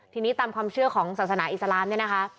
ทีนี้ตามความเชื่อของศาสนาอิสลามเนี่ยนะคะ